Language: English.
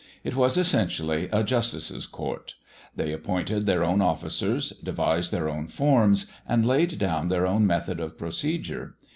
It was essentially a justices' court. They appointed their own officers, devised their own forms, and laid down their own method of procedure.